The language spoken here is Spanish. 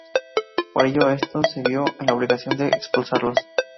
Por ello, este se vio en la obligación de expulsarlos.